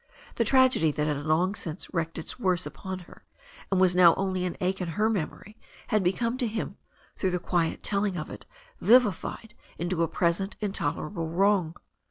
The tragedy that had long since wreaked its worst upon her and was now only an ache in her memory had become to him, through her quiet telling of it, vivified into a present intolerable wrong.